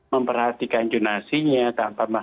memperhatikan jurnasinya tanpa